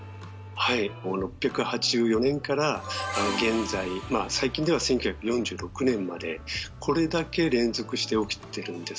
６８４年から現在最近では１９４６年までこれだけ連続して起きてるんです。